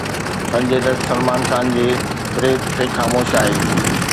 سنجي دت سلمان خان جي بريت تي خوش آهي